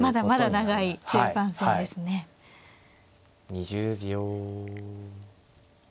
２０秒。